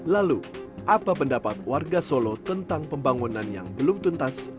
lalu apa pendapat warga solo tentang pembangunan yang belum tuntas